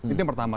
itu yang pertama